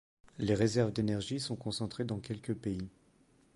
Les réserves d'énergie sont concentrées dans quelques pays.